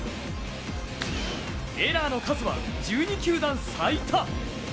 エラーの数は１２球団最多。